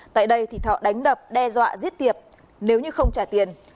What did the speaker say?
tại đây thì thọ đánh đập đe dọa giết tiệp nếu như không trả tiền